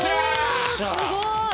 おすごい！